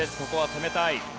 ここは攻めたい。